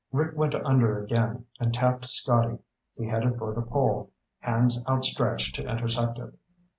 Rick went under again and tapped Scotty. He headed for the pole, hands outstretched to intercept it.